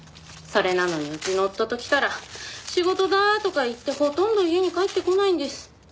それなのにうちの夫ときたら仕事だとか言ってほとんど家に帰ってこないんです。